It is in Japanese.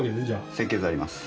設計図あります。